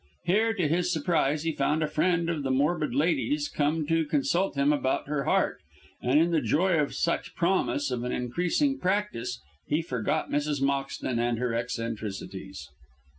Here, to his surprise, he found a friend of the morbid lady's come to consult him about her heart, and in the joy of such promise of an increasing practice he forgot Mrs. Moxton and her eccentricities.